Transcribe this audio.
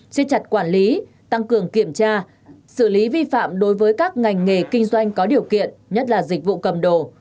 chia chặt quản lý tăng cường kiểm tra xử lý vi phạm đối với các ngành nghề kinh doanh có điều kiện nhất là dịch vụ cầm đồ